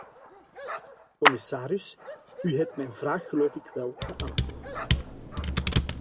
Commissaris, u hebt mijn vraag geloof ik wel beantwoord.